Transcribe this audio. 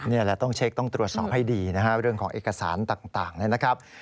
นี่แหละต้องเช็คต้องตรวจสอบให้ดีนะฮะเรื่องของเอกสารต่างนะครับ